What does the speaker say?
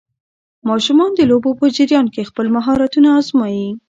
ماشومان د لوبو په جریان کې خپل مهارتونه ازمويي.